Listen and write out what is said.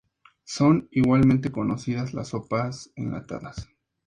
Son igualmente conocidas las sopas enlatadas.